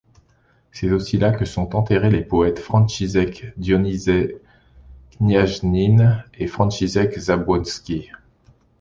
C'est aussi là que sont enterrés les poètes Franciszek Dionizy Kniaźnin et Franciszek Zabłocki.